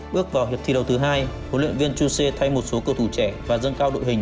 bước vào hiệp thi đầu thứ hai huấn luyện viên chu xê thay một số cầu thủ trẻ và dâng cao đội hình